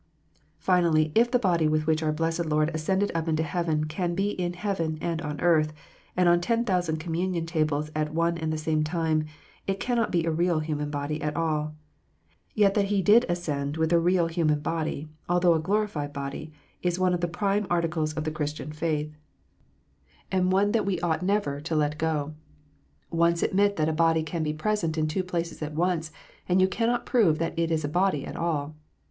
.Finally, if the body with which our blessed Lord ascended up into heaven can be in heaven, and on earth, and on ten thousand communion tables at one and the same time, it cannot be a real human body at all. Yet that He did ascend with a real Human body, although a glorified body, is one of the prime articles of the Christian faith, and one that we ought never to THE REAL PRESENCE. 207 let go ! Once admit that a body can be present in two places at once, and you cannot prove that it is a body at all.